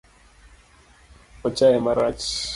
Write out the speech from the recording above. Ochaye marach